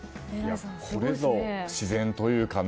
これぞ自然というかね。